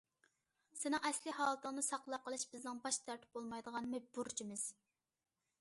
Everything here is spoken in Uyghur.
سېنىڭ ئەسلى ھالىتىڭنى ساقلاپ قېلىش بىزنىڭ باش تارتىپ بولمايدىغان بۇرچىمىز.